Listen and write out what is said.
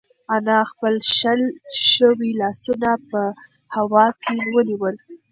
انا خپل شل شوي لاسونه په هوا کې ونیول.